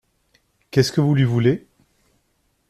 Qu’est-ce que vous lui voulez ?…